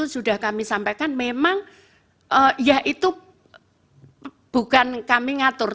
ya itu bukan kami ngatur